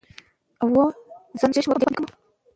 هغه د ادب په ډګر کې یو نه ستړی کېدونکی مبارز و.